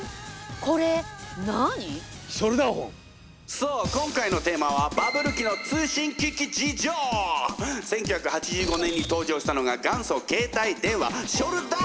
そう今回のテーマはバブル期の１９８５年に登場したのが元祖携帯電話ショルダーフォン！